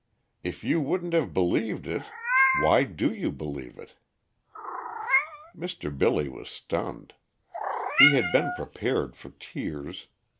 If you 'wouldn't have believed it,' why do you believe it?" Mr. Billy was stunned. He had been prepared for tears.